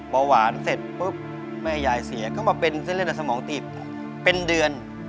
เบาหวานเสร็จปุ๊บแม่ยายเสียก็มาเป็นเส้นเลือดในสมองตีบเป็นเดือน